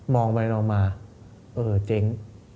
มองไปออกมาเจ๋ง